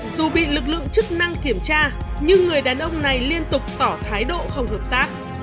dù bị lực lượng chức năng kiểm tra nhưng người đàn ông này liên tục tỏ thái độ không hợp tác